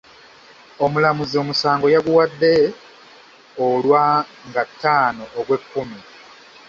Omulamuzi omusango yaguwadde olwa nga ttaano Ogwekkumi.